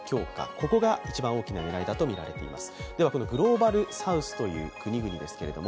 ここが一番大きな狙いだとみられています。